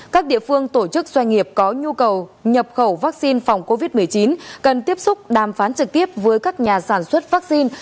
các địa phương tổ chức doanh nghiệp có nhu cầu nhập khẩu vaccine phòng covid một mươi chín cần tiếp xúc đàm phán trực tiếp với các nhà sản xuất vaccine